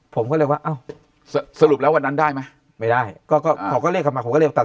ผมก็เลยว่าสรุปแล้ววันนั้นได้ไหมไม่ได้ก็เรียกมาผมก็ตัด